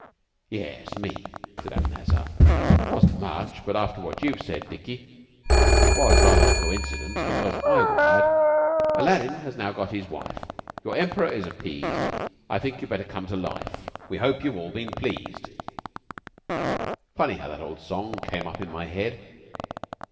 "Yes me," said Abanazar. "'Twasn't much, but after what you've said, Dicky, it was rather a coincidence, because I wired: "'Aladdin now has got his wife, Your Emperor is appeased. I think you'd better come to life: We hope you've all been pleased.' "Funny how that old song came up in my head.